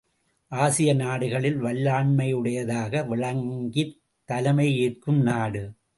ஆசியநாடுகளில் வல்லாண்மையுடையதாக விளங்கித் தலைமையேற்கும் நாடு.